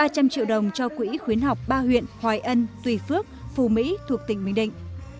ba trăm linh triệu đồng cho quỹ khuyến học ba huyện hoài ân tùy phước phù mỹ thuộc tỉnh bình định